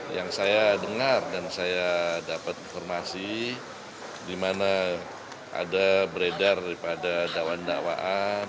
yang saya dengar dan saya dapat informasi di mana ada beredar daripada dakwaan dakwaan